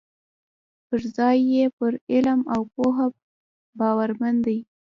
پر ځای یې پر علم او پوه باورمن دي.